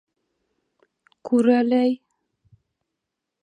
Күр әле, әй!